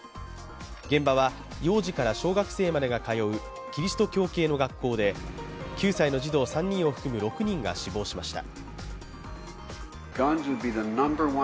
現場は幼児から小学生までが通うキリスト教系の学校で９歳の児童３人を含む６人が死亡しました。